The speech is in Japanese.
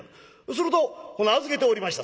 すると預けておりました